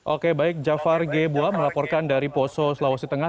oke baik jafar g bua melaporkan dari poso sulawesi tengah